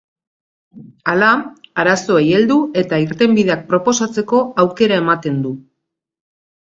Hala, arazoei heldu eta irtenbideak proposatzeko aukera ematen du.